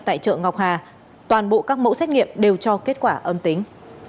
tại chợ ngọc hà toàn bộ các mẫu xét nghiệm đều cho kết quả âm tính